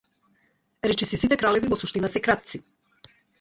Речиси сите кралеви во суштина се крадци.